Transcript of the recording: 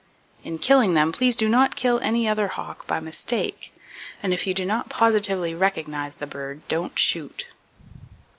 In killing them, please do not kill any other hawk by mistake; and if you do not positively recognize the bird, don't shoot.